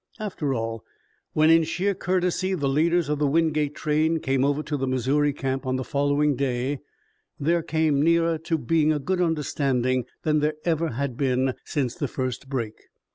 After all, when in sheer courtesy the leaders of the Wingate train came over to the Missouri camp on the following day there came nearer to being a good understanding than there ever had been since the first break.